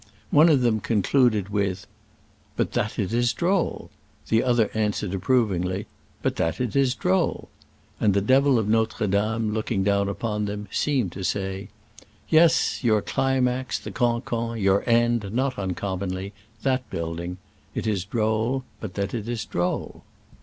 One of them concluded with, " But that it is droll ;" the other answered approvingly, "But that it is droll ; and the Devil of Notre Dame, looking down upon them, seemed to say, "Yes, your climax, the cancan — your end, not uncommonly, that build ing : it is droll, but that it is droll."